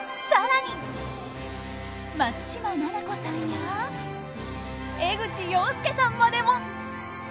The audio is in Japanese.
更に松嶋菜々子さんや江口洋介さんまでも。